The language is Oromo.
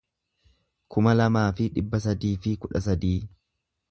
kuma lamaa fi dhibba sadii fi kudha sadii